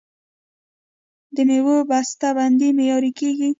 د میوو بسته بندي معیاري کیږي.